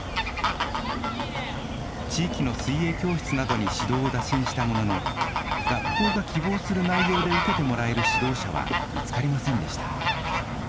地域の水泳教室などに指導を打診したものの、学校が希望する内容で受けてもらえる指導者は見つかりませんでした。